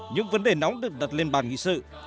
những vấn đề nóng được đặt lên bàn nghị sự